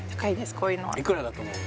こういうのはいくらだと思う？